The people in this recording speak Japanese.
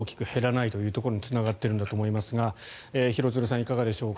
そこが人出が大きく減らないというところにつながっているんだと思いますが廣津留さん、いかがでしょうか。